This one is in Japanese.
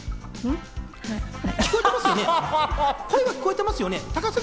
声は聞こえてますよね？